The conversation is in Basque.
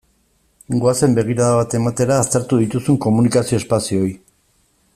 Goazen begirada bat ematera aztertu dituzun komunikazio espazioei.